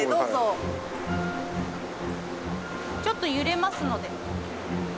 ちょっと揺れますので。